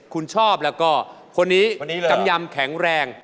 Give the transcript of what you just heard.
คุณชอบแล้วก็คนนี้กำยำแข็งแรง